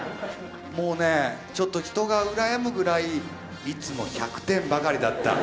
もうねちょっと人が羨むぐらいいつも１００点ばかりだった。